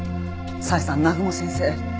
佐恵さん南雲先生。